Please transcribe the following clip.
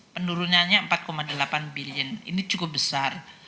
penurunannya empat delapan billion ini cukup besar